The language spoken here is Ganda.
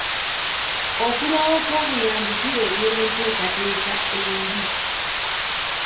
Okulwawo kw'obuyambi kireetera enteekateeka embi.